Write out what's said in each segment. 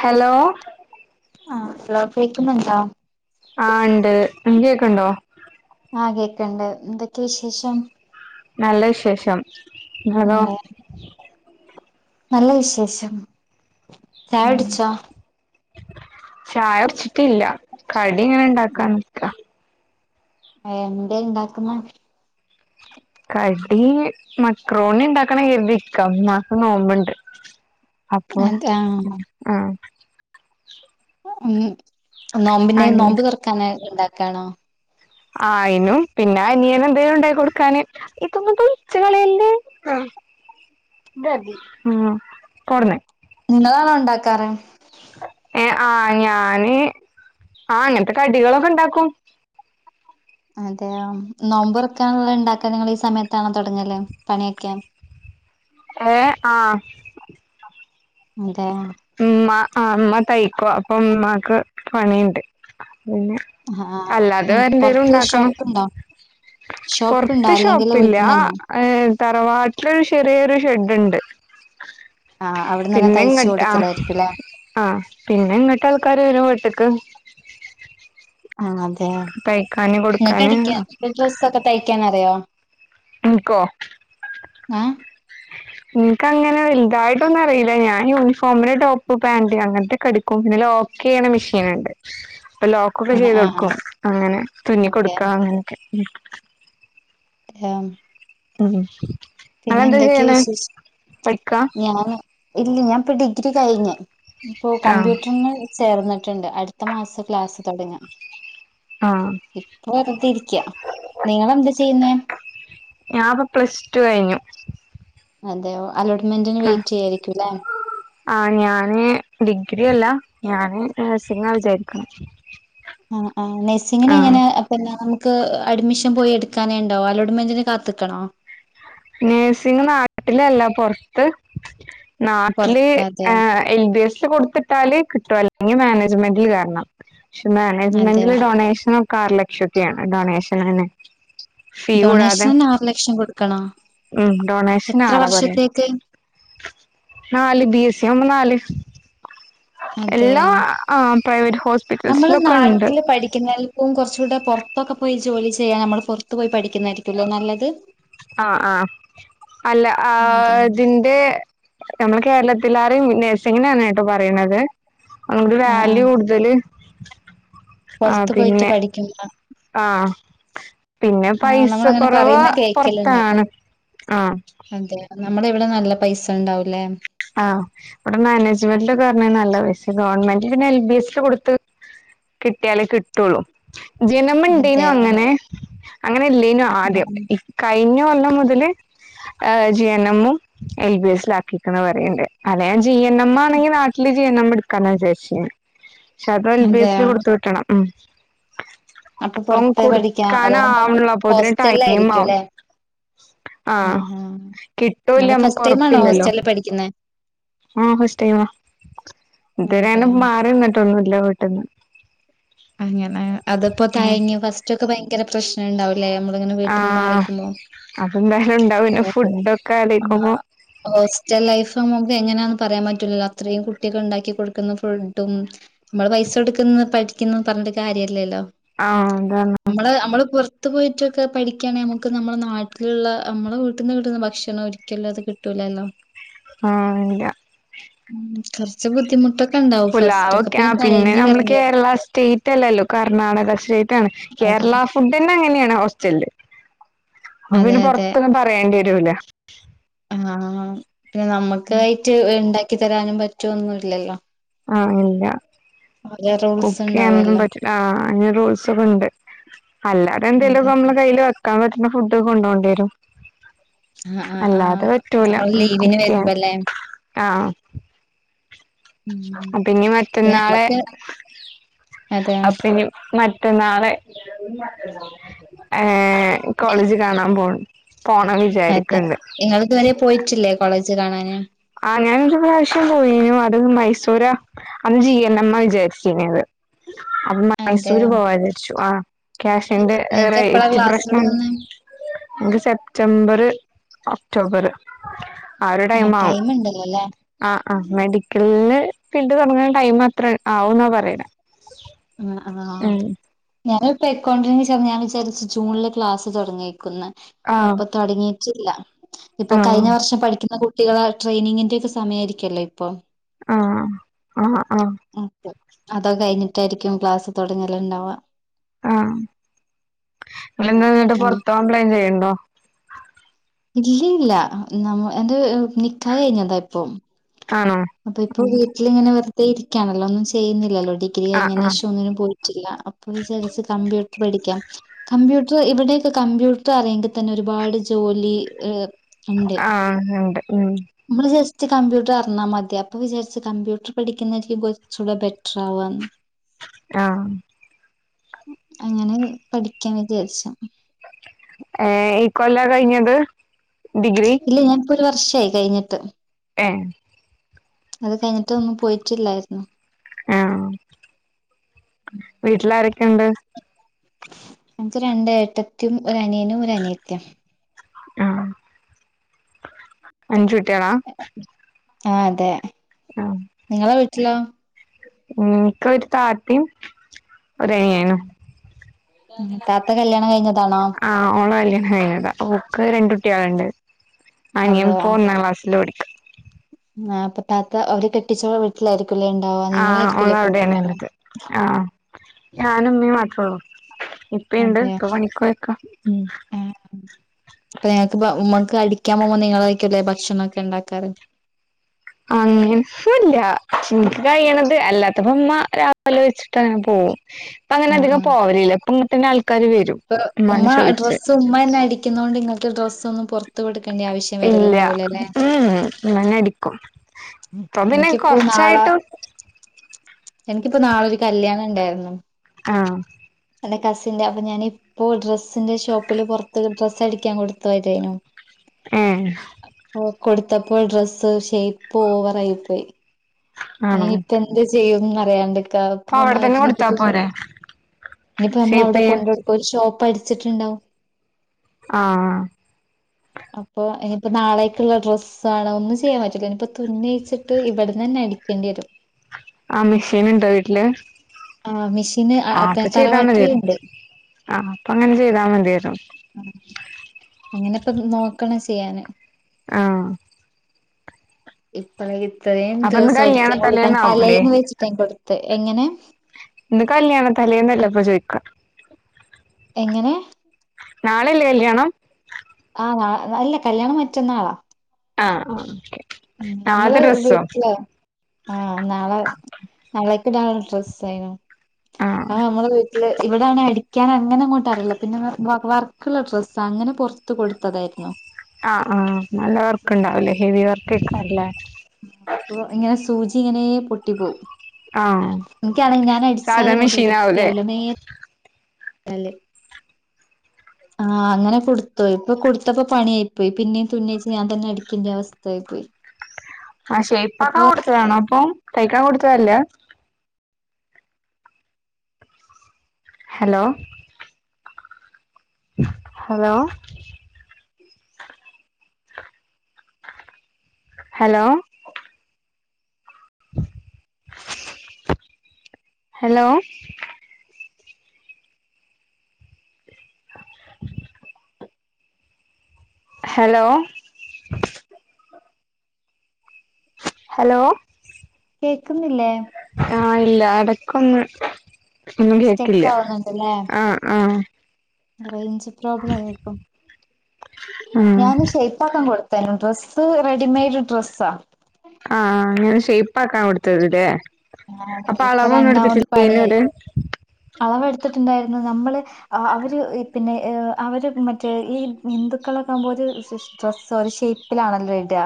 Hello ആഹ് hello കേക്കുന്നുണ്ടോ ആഹ് ഇണ്ട് അൻക്ക്‌ കേക്ക്ണ്ടോ ആഹ് കേക്ക്‌ണ്ട് എന്തൊക്കെ വിശേഷം നല്ല വിശേഷം ഇങ്ങളതൊ അതെ നല്ല വിശേഷം ചായ ഉം കുടിച്ചോ ചായടുച് ട്ടില്ല കടി ഇങ്ങനെ ഇണ്ടാക്കാണ് ആഹ് എന്തേ ഇണ്ടാക്കുന്ന്‌ കടീ മക്രോണി ഇണ്ടാക്കണം കരുതിക്ക മ്മാക് നോമ്പ്ണ്ട് അപ്പോ അതെ ആഹ് ഉം ആഹ് ഉം നോമ്പിനെയ് അനിയ നോമ്പ് തൊറക്കാന് ഇണ്ടാക്കാണോ ആയിനും പിന്നെ അനിയന് എന്തേലും ഉണ്ടായി കൊടുക്കാന്. ഇപ്പന്നട്ട് തിച്ച കളയല്ലേ ആഹ് ഇദ്അതി ഉം പോവ്ട്ന്ന് ങ്ങളാണോ ഉണ്ടാക്കാറ് ഏഹ് ആഹ് ഞാന് ആഹ് ഇങ്ങൻത്തെ കടികളൊക്കെ ഇണ്ടാക്കും അതെയൊ നോമ്പ്റക്കാനുള്ള ഉണ്ടാക്കാന് ഇങ്ങള് ഈ സമയത്താണോ തുടങ്ങല് പണിയൊക്കെ ഏഹ് ആഹ് അതെയൊ ഉംമ്മാ ആഹ് ഇമ്മ തയ്ക്കും അപ്പൊ ഉമ്മാക്ക് പണിയിൺണ്ട് പിന്നെ ആഹ് അല്ലാതെ ഉം വേറെ എന്തേലും പൊറത്ത് ഉണ്ടാക്കണം ഷോപ്പുണ്ടോ ഷോപ്പുണ്ടോ പൊർത്ത് അല്ലെങ്കിൽ ഷോപ്പില്ലാഹ് വീട്ടിന്നന്നെ ഏഹ് തറവാട്ടിലൊരു ചെറിയൊരു ഷെഡ്ണ്ട് ആഹ് അവിടുന്നന്നെ പിന്നെ തയ്ച്ച് ഇങ്ങട്ട് ആഹ് കൊടുക്കലായിരിക്കുല്ലേ ആഹ് പിന്നെ ഇങ്ങട്ടാൾക്കാര് വരും വീട്ട്ക്ക് ആഹ് അതെയോ തയ്ക്കാന് കൊടുക്കാന് ഇങ്ങെക്കടിക്കാം ഡ്രസ്സൊക്കെ തയ്ക്കാനറിയോ ഇൻക്കോ ഇൻക്കങ്ങനെ വെൽതായ്ട്ടൊന്നും അറീല ഞാൻ യൂണിഫോമിന്റെ ടോപ്പ് പാന്റ് അങ്ങെൻത്തെക്കെ അടി ക്കും പിന്നെ ലോക്കെയ്യ്ണ മിഷീന്ണ്ട് പ്പ ലാേ ക്കൊക്കെ ആഹ് ആഹ് ചെയ്താെട്ക്കും അങ്ങെനെ തുന്നി അതെ കൊട്ക്കാ അങ്ങനെക്കെ ഉം ആം ഉം ഉം പിന്നെ എന്തൊക്കെ വിശേഷ് പഠിക്കാ ഞാന് ഇല്ല ഞാൻ പ്പ ഡിഗ്രി കയ്ഞ്ഞ് ഞ്ഞ്പ്പോ ആഹ് കമ്പ്യൂട്ടർന് ചേർന്ന്ട്ട്ണ്ട് അട്ത്ത മാസാ ക്ലാസ് തൊട്ങ്ങാ ആഹ് ഇപ്പൊ വെർതിരിക്ക്യാ നിങ്ങളെന്താ ചെയ്യ്ന്നെ ഞാപ്പം പ്ലസ്റ്റു കഴിഞ്ഞു അതെയോ അലോട്ട്മെന്റിന് ഉം വെയ്റ്റെയ്യായിരിക്ക്യുലേ ആഹ് ഞാന് ഡിഗ്രി അല്ലാ ഞാന് നഴ്സിംഗാ വിചാരിക്ക്ണ് ആഹ് ആഹ് നെയ്സിങ്ങിനെങ്ങെനേ അ പിന്നെ നമുക്ക് അഡ്മിഷം പോയി എട്ക്കാന്ണ്ടാേ അലോട്ട്മെന്റിന് കാത്ത്ക്കണോ? നെഴ്സിംഗ് നാട്ടിലല്ല പൊർത്ത് നാട്ട്ല് പുറത്ത് അതെ ഏഹ് എൽ ബി എസ് കൊട്ത്ത്ട്ടാല് കിട്ടും അല്ലെങ്കി മാനേജ്മെന്റ്ല് കേറ്ണം പക്ഷെ മാനേജ്മെന്റില് അതെയോ ഡൊണേഷെനൊക്കെ ആറ് ലക്ഷത്തിയാണ് ഡൊണേഷെനെന്നെ ഡൊണേഷെനെന്നെ ആറ് ലക്ഷം കൊട്ക്കണോ? ഉം ഡൊണേഷെനാറാ പറ [unintelligible] നാല് ബി എസ്സിയാവുമ്പം നാല് എല്ലാ അതെയോ ആഹ് പ്രൈവറ്റ് ഹോസ്പിറ്റെൽസ്‌ലൊക്കെണ്ട് പഠിക്ക്ന്നെൽ ക്കും കൊർച്ചൂടെ പൊർത്തൊക്കെ പോയി ജോലി ചെയ്യാ നമ്മള് പൊർത്ത് പോയി പഠിക്ക്യുന്നായ്രിക്കുലേ നല്ലെത് ആഹ് ആഹ് അല്ല അതന്നെ ആതിൻ ന്റെ ഞമ്മളെ കേരളത്തിലാറിം നേഴ്സിങ്ങിനാണ് കെട്ടോ പറയ്ണെത് നമുക്ക് ആ ആ വാല്യൂ കൂട്തെല് പൊർത്ത് പോയ്ട്ട് പഠിക്ക്യുന്ന ആഹ് പിന്നെ ആ പൈസ നമ്മളങ്ങനെ കൊറവ് പറയുന്ന കേക്കലുണ്ട് പൊർത്താണ് ആഹ് നമ്മളെവിടെ നല്ല പൈസണ്ടാവുലേ ആഹ് ഇവ്ടെ മാനേജ്മെന്റ്ലൊക്കെർഞ്ഞാ നല്ല പൈസേ ഗവൺമെന്റ്ല് പിന്നെ എൽ ബി എസ് ല് കൊട്ത്ത് കിട്ട്യാലേ കിട്ടൊള്ളു ജി എൻ എം ഇണ്ടേനു അതെയോ അങ്ങെനെ അങ്ങെനെ ഇല്ലേനു ആദ്യം ഇ കയ്ഞ്ഞ കൊല്ലം മുതല് ഏഹ് ജി എൻ എമ്മും എൽ ബി എസ് ആക്കീക്ക്ണ് പറയ്ണ്ട് അല്ലേ ഞാൻ ജി എൻ എം ആണെങ്കിൽ നാട്ടില് ജി എൻ എം ഇട്ക്കാ വിചാര്ച്ചീന്നെ പക്ഷെ അതും എൽ ബി എസ് ല് അതെയോ കൊട്ത്ത് വിട്ട്ണം ഉം അപ്പൊ അപ്പം പുറത്ത് പഠിക്കാ അതാവുമ്പം കൊട്ക്കാനാവ്ണാെള്ളു അപ്പോത്തിന് ഹോസ്റ്റലിലായിരിക്കും ടൈമാവും അല്ലേ ആ ആഹ് ആ കിട്ടോ നിങ്ങള് ഇല്ലേ ഫസ്റ്റ് അമ്മെക്ക് ടൈം ആണോ ഒറപ്പില്ലല്ലോ ഹോസ്റ്റലിൽ പഠിക്കുന്നേ ആഹ് ഫസ്റ്റ് ടൈമാ അതെ ഇത്‌വെരേണ്ടും ആ മാറിന്നിട്ടൊന്നുല്ല വീട്ട്ന്ന് അങ്ങെനെ അത് പ്പോ തയങ്ങ്യോ ഫസ്റ്റാെക്കെ ഭയ് ങ്കര പ്രശ്നണ്ടാവൂലെ നമ്മള്ങ്ങെനെ വീട്ട്ന്ന് ആഹ് മാറിക്കുമ്പം അതെന്തായാലും ഇണ്ടാവെല്ലോ ഫുഡ്ഡാെക്കെ ആഹ് ആലോയ്ക്കുമ്പം ഹോസ്റ്റൽ ലൈഫ് നമുക്ക് എങ്ങനാന്ന് പറയാം പറ്റൂലല്ലോ അത്രെയും കുട്ട്യെക്ക്ണ്ടാക്കി കൊട്ക്ക്ന്ന ഫുഡ്ഡും നമ്മള് പൈസൊട്ക്ക്ന്ന് പഠിക്ക്യുന്നു പർഞ്ഞിട്ട് കാര്യല്ലല്ലോ ആഹ് എന്താണ് നമ്മള് നമ്മള് പൊർ പൊർത്ത് പോയിട്ടൊക്കെ പഠിക്കാണെങ്കി നമുക്ക് നമ്മുടെ നാട്ടിലുള്ള നമ്മുടെ വീട്ട്ന്ന് കിട്ടുന്ന ഭക്ഷണം ഒരിക്കലും അത് കിട്ടൂല്ലല്ലോ ആഹ് ഇല്ല, മ്മ് കൊർച്ച് ബുദ്ധിമുട്ടൊക്കെണ്ടാവും ഫസ്റ്റ് പുലാവൊക്കെ ആ ഒക്കപിന്നെ പിന്നെ തയഞ്ഞ് നമ്മള് വര്ണ്ടി വരും. കേരള സ്റ്റേറ്റ് അല്ലല്ലോ കർണാടക സ്റ്റേറ്റാണ് അതെ കേരള ഫുഡ്ന്നെ അങ്ങനെയാണ് ഹോസ്റ്റല്ല് അപ്പൊ അതെ പിന്നെ അതെ പൊറത്തൊന്നും പറയേണ്ടി വരൂല. ആഹ് പിന്നെ നമ്മുക്കായിട്ട് ഇണ്ടാക്കി തരാനും പറ്റൊന്നുല്ലല്ലോ ആഹ് ഇല്ല ഓരോ റൂൾസ് കുക്കെയ്യാനൊന്നും ഉണ്ടാവല്ലോ പറ്റില്ല ആഹ് അങ്ങനെ റോൾസൊക്കെഇണ്ട് അല്ലാതെന്തേലൊക്ക അതെ നമ്മള കയ്യില് വെക്കാൻ പറ്റുന്ന ഫുഡ് കൊണ്ടോണ്ടി വരും ആഹ് ആഹ് അല്ലാതെ ആഹ് പറ്റൂല നമ്മള് ലീവിന് കുക്കെയ്യാൻ വരുമ്പല്ലേ ആഹ് ഉം അപ്പഞ്ഞി പിന്നെ മറ്റന്നാളെ നമ്മക്ക് അതെ അപ്പഞ്ഞി മറ്റന്നാളെ ഏഹ് കോളേജ് കാണാൻ പോ പോണം വി അതെ നിങ്ങള്തുവരെ പോയിട്ടില്ലേ കോളേജ് കാണാന്? ആഹ് ഞാനൊരു പ്രാവശ്യം പോയിനു അത് മൈസൂരാ അന്ന് ജി എൻ എം ആഹ് വിചാരിച്ചിനത്. അപ്പ അതെ മൈസൂര് പോവാ വിചാരിച്ചു ആഹ് ക്യാഷിന്റെ ഏഹ് നിങ്ങക്ക് എപ്പഴാ റേറ്റ് ക്ലാസ് പ്രശ്നം തുടങ്ങുന്നെ ഒരു സെപ്റ്റംബർ ഒക്ടോബർ ആഹ് ഒരു ടൈം ആവും ണ്ടല്ലോ ല്ലേ ആഹ് ആ്മെഡിക്കല്ല് ഫീൽഡ് തൊടങ്ങൻ ടൈമത്ര ആവുംന്നാ പറയ്ണെ. ആഹ് ആഹ് ആഹ് ഞാനിപ്പ അക്കൗണ്ടന്റ് ഞാൻ വിചാരിച്ചു ജൂണില് ക്ലാസ് തുടങ്ങിക്കുന്ന ആഹ് അപ്പൊ തുടങ്ങിയിട്ടില്ല ഇപ്പൊ ആഹ് കഴിഞ്ഞ വർഷം പഠിക്കുന്ന കുട്ട് ട്ടികള ട്രെയിനിങ്ങിന്റെ ഒക്കെ സമയ ആമായിരിക്കല്ലോ ഇപ്പൊ ആഹ് ആഹ് ആഹ് ഓക്കെ അതോകേ കഴിഞ്ഞിട്ടായിരിക്കും ക്ലാസ്സ് തൊടങ്ങല്ണ്ടവാ. ആഹ് നിങ്ങെന്താന്നട്ട് പൊർതൊ കംപ്ലയിന്റ് ചെയ്ണ്ടോ? ഇല്ല ഇല്ല നമ്മ എന്റെ നിക്കാഹ് കഴിഞ്ഞതാ ഇപ്പം ആണോ അപ്പൊ ഇപ്പൊ വീട്ടിലിങ്ങനെ വെറുതെ ഇരിക്കയാണല്ലോ ഒന്നും ചെയ്യുന്നില്ലല്ലോ ടി ഗ്രി ആഹ് കഴിഞ്ഞന് ആഹ് ശേഷ ഒന്നിനും പോയിട്ടില്ല അപ്പ വിചാര്ച് കമ്പ്യൂട്ടർ പഠിക്കാം കമ്പ്യൂട്ടർ ഇവിടെയൊക്കെ കമ്പ്യൂട്ടർ അറിയെങ്കിൽ തന്നെ ഒരുപാട് ജോലി ആഹ് ഉണ്ട് ഉം മ്മള് ജസ്റ്റ് കമ്പ്യൂട്ടർ അറിഞ്ഞാൽ മതി അപ്പൊ വിചാരിച്ചു കമ്പ്യൂട്ടർ പഠിക്കുന്നായിരിക്കും കൊർച്ചുടെ ബെറ്റർ ആവാന്ന് ആഹ് അങ്ങനെ പഠിക്കാൻ വിചാരിച്ച ഏഹ് ഈ കൊല്ല കഴിഞ്ഞത് ഡിഗ്രി ഇല്ല ഞാനിപ്പോ ഒരു വർഷയി കഴിഞ്ഞിട്ട് ഏഹ് അത് കഴിഞ്ഞിട്ട് ഒന്നും പോയിട്ടില്ലായിരുന്നു ആഹ് വീട്ടിൽ ആരൊക്കെണ്ട് എനിക്ക് രണ്ട്എട്ടത്തിയും ഒരനിയനും ഒരനിയത്തിയം ആഹ് അഞ്ചു കുട്ടിയളാ ആഹ് അതെ നിങ്ങളെ വീട്ടിലോ? ഇൻക്ക് ഒരു താത്ത ഒരനിയനും. താത്ത കല്യാണം കഴിഞ്ഞതാണോ? ആ ഓളെ കല്യണം കഴിഞ്ഞത. ഓക്ക് രണ്ട് കുട്ട്യാള്ണ്ട്. അനിയൻ അതെയോ പോ ഒന്നാംക്ലാസ്സില് പഠി ആ അപ്പൊ താത്ത അവര് കെട്ടിച്ച വീട്ടിലായിരിക്കല്ലേ ണ്ടാവ ആഹ് നിങ്ങളായിരിക്കുലേ പ്പ ഓളവിടേണ് വടെണ്ടാവ ഇള്ളത് ആഹ് ഞാനുംമ്മീ മാത്രോള്ളൂ. ഇപ്പിണ്ട് അതെയോ പ്പ പണിക്കോയക്ക ഉം ആ പ്പനിങ്ങക്ക്പ്പ ഉമ്മക്ക് അടിക്കാൻ പോകുമ്പോ നിങ്ങളായിക്കല്ലേ ഭക്ഷണംക്കെ ണ്ടാക്കാറ്? അങ്ങനൊന്നുല്ല ഇന്ക്ക് കഴിയണത്. അല്ലാത്തപ്പമ്മ രാവിലെ വെച്ചിട്ടങ്ങനെ പോവും. പ്പങ്ങനധികം പോവലില്ല പ്പങ്ങട്ടന്നാൾ ഇപ്പ ഉമ്മ ഡ്രസ്സ് ഉമ്മന്നെ അടിക്ന്നോണ്ട് നിങ്ങൾക്ക് ഡ്രസ്സ് ഒന്നും പൊർ ത്ത്‌ കൊടുക്കണ്ട ആവിശ്യം വരല്ണ്ടാവൂല ലേ മ്മന്നെ അടിക്കും. പ്പൊ പിന്നെ എനിക്കിപ്പോ നാളെ കൊറച്ചായിട്ടും. എനിക്കിപ്പോ നാളൊരു കല്യാണംണ്ടായിരുന്നു. ആഹ് എൻ്റെ കസിൻ്റെ അപ്പം ഞാനീ പ്പോ ഡ്രസ്സിന്റെ ഷോപ്പില് പൊർത്ത് ഡ്രസ്സടിക്കാൻ കൊടുതൊയതെയിനു. ഏഹ് അപ്പോ കൊടുത്തപ്പോ ഡ്രസ്സ് ഷേയ്പ്പ് ഓവറായി പോയി. ആണോ അയ്‌ന്പ്പെന്ത്ചെയ്യുംന്നറിയാണ്ട്ക്കാ അപ്പൊ പ്പ അവിടെ തന്നെ ഒന്നായിട്ട് ഇനിയിപ്പ കൊടുത്താ തീന്ന പോരെ ഇനിയിപ്പോ നമ്മള ഷേപ്പ് അവിടെ ചെയ്യാൻ കൊണ്ടട്ക്ക ഒര് ഷോപ്പ് അടിച്ചിട്ടുണ്ടാവും. ആഹ് അപ്പൊ ഇനിയിപ്പോ നാളെക്ക്ള്ള ഡ്രസ്സാണ്. ഒന്നും ചെയ്യാൻ പറ്റില്ല. ഇനിയിപ്പോ തുന്നയിച്ചിട്ട് ഇവിടന്നന്നെ അടിക് ക്കണ്ടിയെരും ആ മിഷീന്ണ്ടോ വീട്ടില്? ആഹ് മിഷീന് ആഹ് അപ്പൊ ചെയ്താ മതിയായിരുന്നു തറവാട്ടില്ണ്ട്. ആഹ് അപ്പങ്ങനെ ചെയ്താ മതിയല്ലോ അങ്ങനെപ്പം നോക്കണം ചെയ്യാന് ആഹ് ഇപ്പഴ ഇത്രേയും അപ്പൊ ഇന്ന് ദിവസം കല്യാണ അടിക്കാൻ കൊടുക്കാൻ തലേന്നാവൂലേ തലേന്ന് വെച്ചിട്ട ഞാൻ കൊടുത്തെ, എങ്ങനെ ഇന്ന് കല്യാണ തലേന്നല്ലപ്പൊ ചോയ്ക്കാ എങ്ങനെ നാളെല്ലേ കല്യാണം ആഹ് അല്ല കല്യാണം മറ്റന്നാളാ ആഹ് ആഹ് ഓകെ ഉം നമ്മള് വീട്ടില് ആഹ് നാളെ നളേക്ക്ടാനുള്ള ഡ്രെസ്സേനു ആഹ് അഹ് നമ്മടെ വീട്ടില് ഇവിടാണെ അടി ക്കാനൊന്നിനു അങ്ങോട്ടറിയില്ല. പിന്നെ വ വ വർക്ക്ള്ള ഡ്രസ്സ. അങ്ങനെ പൊർത്ത് കൊടുത്തതായിരുന്നു ആഹ് ആഹ് നല്ല വർക്ക്ണ്ടാവുലേ ഹെവി വർക്കേക്കാരല്ലേ ആഹ് അപ്പൊ ഇങ്ങനെ സൂചി ഇങ്ങനേ പൊട്ടി പോവും ആഹ് ഇൻക്കാണെങ്കി സാധാ ഞാനടിച്ചാലും ഇങ്ങോട്ട് വല്യ മെഷീനാവൂലേ വൃത്തിയാവില്ല നേരെ അല്ലേ [inaudible] ആഹ് അങ്ങനെ കൊടുത്തോയി പ്പൊ കൊടുത്തപ്പോ പണിയായി പോയി, പിന്നെയും തുന്നേച്ച ഞാൻ തന്നെ അടിക്കണ്ട അവസ്ഥയായി പോയി ആ്ഷേ്പപ്പാക്കാൻ അപ്പൊ കൊടുത്തതാണപ്പം തയ്ക്കാൻ കൊടുത്തതല്ല hello hello hello hello [inaudible] hello hello കേക്കുന്നില്ലേ ആഹ് ഇല്ല എടക്കൊന്ന് ഒന്നും കേക്കില്ല സ്റ്റെക്ക് ആവുന്നുണ്ടല്ലേ ആഹ് ആഹ് റേഞ്ച് പ്രോബ്ലം ആയിപ്പം ആഹ് ഞാനിന്ന് ഷേപ്പാക്കാൻ കൊടുക്ക നു ഡ്രസ് റെഡിമെയ്ഡ് ഡ്രസ്സാ ആഹ് ആഹ് ഞാൻ ഷേപ്പ് ആക്കാ കൊടുത്തത് ല്ലേ ആ അപ്പൊ ഇപ്പൊ അളവൊന്നും രണ്ടാമത് പണിയായി എടുത്തിട്ടില്ലേര് അളവെടുത്തിട്ടുണ്ടായിരുന്നു നമ്മള് അവര് പിന്നെ അവര് മറ്റേ ഈ ഹിന്ദുക്കളക്കെ ആകുമ്പോ ഒരു ഡ്രസ്സോ ഷേ പ്പിലാണല്ലോട്കാ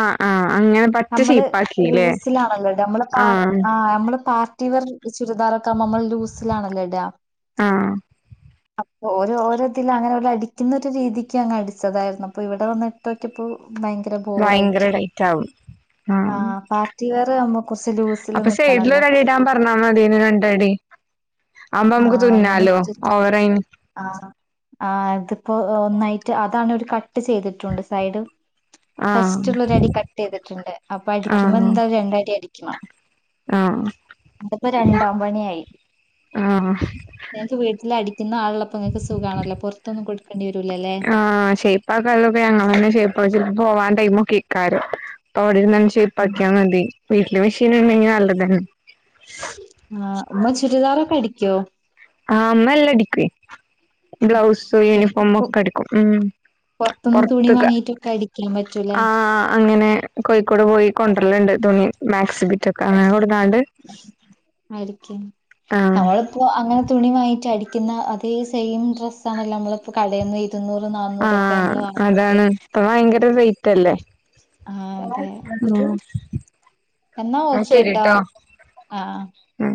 ആഹ് ആഹ് അങ്ങനെ പറ്റ നമ്മള് ഷേപ്പാക്കില്ലേ ലൂസിലാണല്ലോട്കാ നമ്മള് പാ ആഹ് നമ്മള് പാ ട്ടിവർ ചുരിദാറൊക്കെ നമ്മൾ ലൂസിലാണല്ലോട്കാ ആഹ് അപ്പൊ ഓരോ ഓരോതിലും അങ്ങനെ അടിക്കുന്ന രീതിക്ക് അങ്ങ് അടിച്ചതായിരുന്നു അപ്പൊ ഇവിടെ വന്ന് ക്കപ്പോ ഭയങ്കര ഭയങ്കര ബോറയിട്ട് ടൈറ്റ് ആവും ആ ആഹ് പാ [unintelligible] കുറച്ച് ലൂസ് അപ്പൊ സേഡിൽ അടിടാൻ പറഞ്ഞാൽ മതിന് രണ്ടടി അമ്പോ നമക്ക് ആഹ് അങ്ങനെ തുന്നാലോ ഇട്ടിട്ട് ഓറ ആഹ് ആഹ് അതിപ്പോ ഒന്നായിട്ട് അതാണ് ഒരു കട്ട് ചെയ്തിട്ടുണ്ട് സൈഡ് ആഹ് ഫസ്റ്റ് ഉള്ളൊരടി കട്ട് ചെയ്തിട്ടുണ്ട് അപ്പൊ അടിക്കുമ്പോ ആഹ് എന്താ രണ്ടടി അടിക്കണം ആഹ് അതിപ്പോ രണ്ടാം പണിയായി ആഹ് ങ്ങക്ക് വീട്ടിൽ അടിക്കുന്ന ആള് ള്ളപ്പൊ ങ്ങക്ക് സുഖമാണല്ലോ പുറത്തൊന്നും കൊടുക്ക ആഹ് ഷേപ്പ് ആക്കാൻ [unintelligible] അവിട്ന്നന്നെ ഉം ഷേപ്പാക്കിയാൽ മതി വീട്ടില് മെഷീൻ ഇണ്ടെങ്കിൽ നല്ലതന്നെ ആഹ് ഉമ്മ ചുരിദാറൊക്കെ അടിക്കോ ആഹ് ഉമ്മ എല്ലാം അടിക്കു ബ്ലൗസ് യൂണിഫോമ ഒക്കെ അടിക്കും ഉം പൊറത്തുന്ന് തുണി പൊറത്ത് കാ വാങ്ങിയിട്ടൊക്കെ അടിക്കാൻ പറ്റൂലേ? ആഹ് അങ്ങനെ കോഴിക്കോട് പോയി കൊണ്ടുവെരലുണ്ട് തുണി മാക്സിബിറ്റെക്കെ അങ്ങനെ കൊടുക്കാനൊണ്ട് ആരിക്ക് ആഹ് അവള് അപ്പോ അങ്ങനെ തുണി വാങ്ങിച്ച് അടിക്കുന്ന അതേ സെയിം ഡ്രസ്സാണല്ലോ നമ്മെളിപ്പോ കടേന്ന് പോയി ഇരുന്നൂറ് നാന്നൂറെക്കെ നമ്മെള് വാങ്ങ്ന്നതേ അതാണ് ഇപ്പൊ ആഹ് ഭയങ്കര റേയ്റ്റല്ലേ ആഹ് അതെ എന്നാ എന്ന ഓക്കേട്ടോ ശരിട്ടോ ആഹ്. ഉം